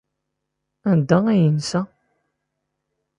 Anda ay yensa?